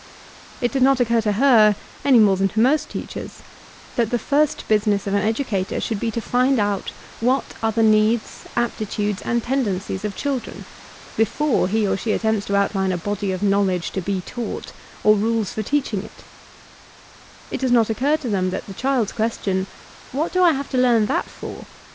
It did not occur to her any more than to most teachers, that the first business of an educator should be to find out what are the needs, aptitudes, and tendencies of children, before he or she attempts to outline a body of 324 VOLTAIRINE DB ClBYBB knowledge to be taught, or rules for teaching it It does not occur to them that the child's question, ''What do I have to learn that for?''